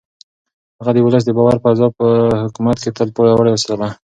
هغه د ولس د باور فضا په حکومت کې تل پياوړې وساتله.